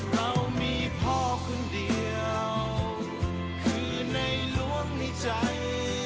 เรามีพ่อคนเดียวคือในหลวงในใจ